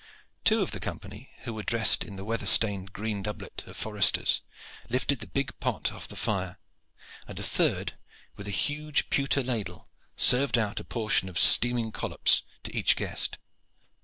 Two of the company, who were dressed in the weather stained green doublet of foresters, lifted the big pot off the fire, and a third, with a huge pewter ladle, served out a portion of steaming collops to each guest.